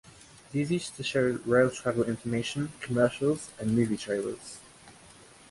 These used to show rail travel information, commercials and movie trailers.